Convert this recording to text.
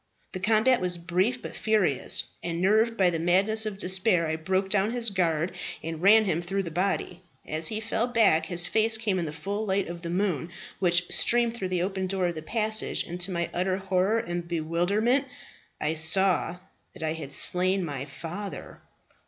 The combat was brief but furious, and nerved by the madness of despair I broke down his guard and ran him through the body. As he fell back, his face came in the full light of the moon, which streamed through the open door of the passage, and to my utter horror and bewilderment I saw that I had slain my father.